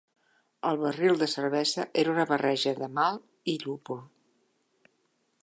El barril de cervesa era una barreja de malt i llúpol.